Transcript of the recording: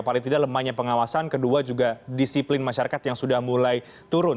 paling tidak lemahnya pengawasan kedua juga disiplin masyarakat yang sudah mulai turun